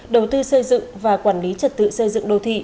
đầu tư xây dựng và quản lý trật tự xây dựng đô thị